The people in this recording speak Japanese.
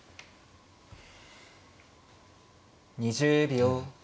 ２０秒。